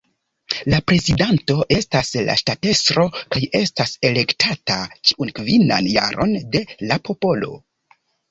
La prezidanto estas la ŝtatestro kaj estas elektata ĉiun kvinan jaron de la popolo.